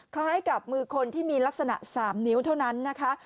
คล้ายกับมือคนที่มีลักษณะ๓นิ้วเท่านั้นนะคะ